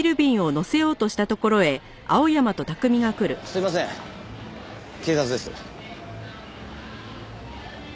すいません警察です。